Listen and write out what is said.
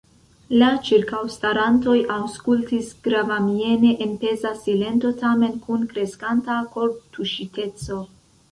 La ĉirkaŭstarantoj aŭskultis gravamiene en peza silento, tamen kun kreskanta kortuŝiteco.